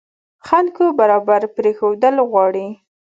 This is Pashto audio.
خلکو برابر پرېښودل غواړي.